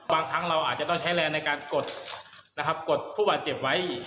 บางครั้งเราอาจจะต้องใช้แลร์ในการกดผู้บาดเจ็บไว้